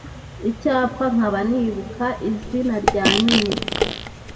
Icyampa nkaba nibuka izina rya nyine.